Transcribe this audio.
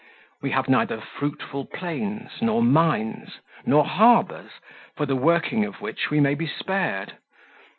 We have neither fruitful plains, nor mines, nor harbours, for the working of which we may be spared.